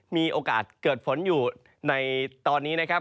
มีโอกาสเกิดฝนอยู่ในตอนนี้นะครับ